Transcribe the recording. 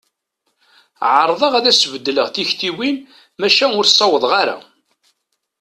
Ɛerḍeɣ ad s-beddleɣ tiktiwin, maca ur ssawḍeɣ ara.